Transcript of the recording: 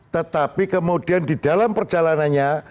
tetapi kemudian di dalam perjalanannya